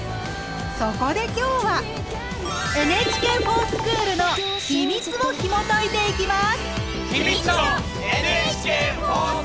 そこで今日は「ＮＨＫｆｏｒＳｃｈｏｏｌ」のヒミツをひもといていきます！